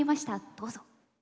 どうぞ。